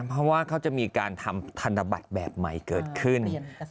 เพราะว่าเขาจะมีการทำธนบัตรแบบใหม่เกิดขึ้น